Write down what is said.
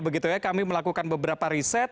begitu ya kami melakukan beberapa riset